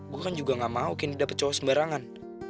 gue kan juga gak mau candy dapet cowok sembarangan